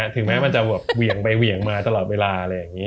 ถึงแม้มันจะเวียงไปเวียงมาตลอดเวลา